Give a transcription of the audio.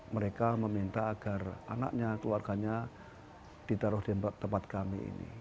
mereka meminta agar anaknya keluarganya ditaruh di tempat kami ini